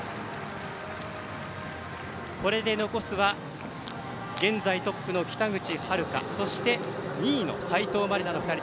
これで残すは現在、トップの北口榛花そして２位の斉藤真理菜の２人。